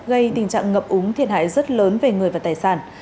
gây tình trạng ngập úng thiệt hại rất lớn về người và tài sản